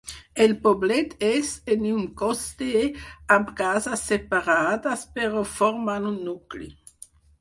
El poblet és en un coster amb cases separades, però formant un nucli.